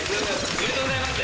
ありがとうございます。